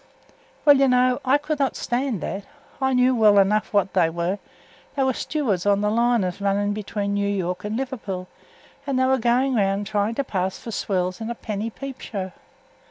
Well, you know, I could not stand that. I knew well enough what they were. They were stewards on the liners running between New York and Liverpool, and they were going round trying to pass for swells in a penny peep show.